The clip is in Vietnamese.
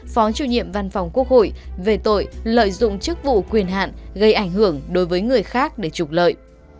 phó chủ nhiệm văn phòng quốc hội về tội lợi dụng chức vụ quyền hạn gây ảnh hưởng đối với người khác để trục lợi